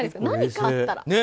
何かあったら。